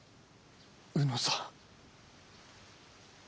卯之さん。